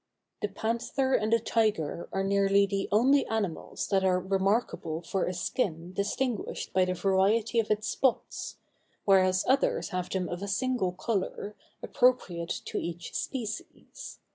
The panther and the tiger are nearly the only animals that are remarkable for a skin distinguished by the variety of its spots; whereas others have them of a single color, appropriate to each species.